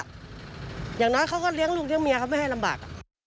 อย่างน้อยเขาก็เลี้ยงลูกเลี้ยเมียเขาไม่ให้ลำบาก